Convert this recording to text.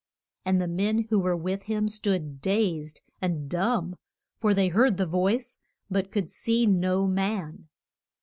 And the men who were with him stood dazed and dumb, for they heard the voice, but could see no man.